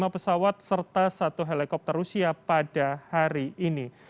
lima pesawat serta satu helikopter rusia pada hari ini